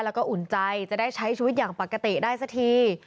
แล้วก็อุ่นใจจะได้ใช้ชีวิตอย่างปกติได้สักที